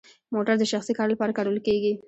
موټر د شخصي کار لپاره کارول کیږي؟